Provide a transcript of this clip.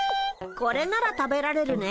これなら食べられるね。